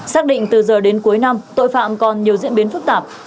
xác định từ giờ đến cuối năm tội phạm còn nhiều diễn biến phức tạp